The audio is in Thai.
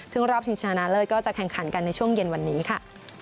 ซึ่งรอบชิงชนะเลิศก็จะแข่งขันกันในช่วงเย็นวันนี้ค่ะ